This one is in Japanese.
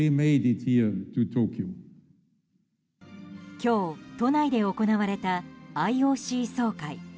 今日、都内で行われたＩＯＣ総会。